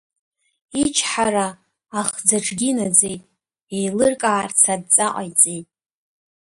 Ичҳара ахӡаҿгьы инаӡеит, еилыркаарц адҵа ҟаиҵеит.